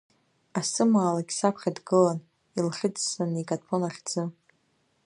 Асы маалықь саԥхьа дгылан, илхьыӡсаны икаҭәон ахьӡы.